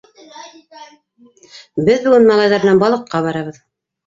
Беҙ бөгөн малайҙар менән балыҡҡа барабыҙ.